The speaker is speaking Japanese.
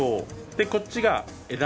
でこっちが。